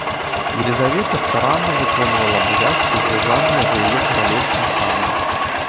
Елізавета старанна выконвала абавязкі звязаныя з яе каралеўскім санам.